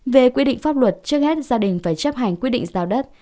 về quy định pháp luật trước hết gia đình phải chấp hành quyết định giao đất